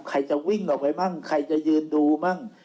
ใครจะวิ่งออกไปมั่งใครจะยืนดูมั่ง